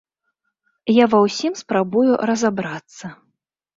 Я ва ўсім спрабую разабрацца.